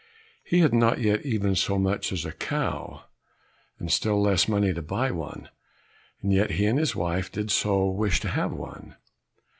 He had not even so much as a cow, and still less money to buy one, and yet he and his wife did so wish to have one.